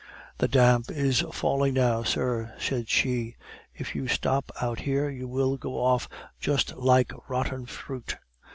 "The damp is falling now, sir," said she. "If you stop out there, you will go off just like rotten fruit.